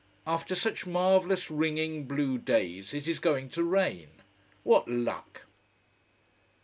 After such marvelous ringing blue days, it is going to rain. What luck!